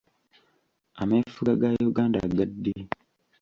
Ameefuga ga Uganda ga ddi?